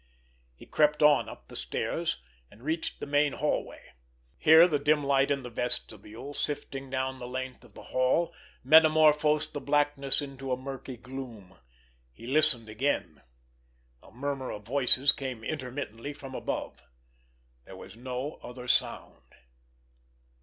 He crept on up the stairs, and reached the main hallway. Here the dim light in the vestibule sifting down the length of the hall metamorphosed the blackness into a murky gloom. He listened again. A murmur of voices came intermittently from above. There was no other sound.